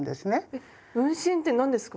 えっ運針って何ですか？